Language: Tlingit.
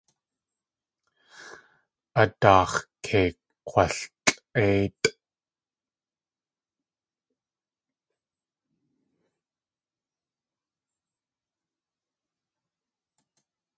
A daax̲ kei kg̲waltlʼéitʼ.